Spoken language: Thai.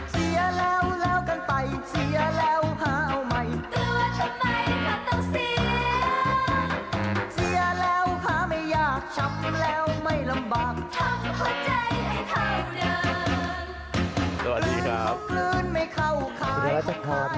สวัสดีครับ